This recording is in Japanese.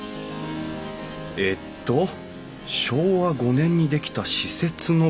えっと「昭和５年に出来た私設の美術館。